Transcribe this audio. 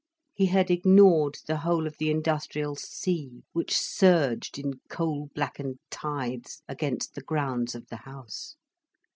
He had ignored the whole of the industrial sea which surged in coal blackened tides against the grounds of the house.